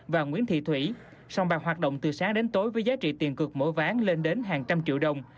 và nguyễn thị thủy sòng bạc hoạt động từ sáng đến tối với giá trị tiền cực mỗi ván lên đến hàng trăm triệu đồng